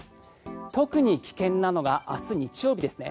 特に危険なのが明日日曜日ですね。